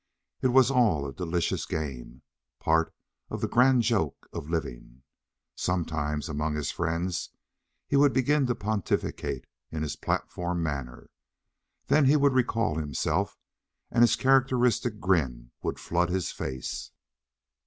It was all a delicious game part of the grand joke of living. Sometimes, among his friends, he would begin to pontificate in his platform manner. Then he would recall himself, and his characteristic grin would flood his face.